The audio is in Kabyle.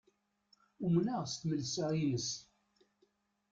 Umneɣ s tmelsa-ines.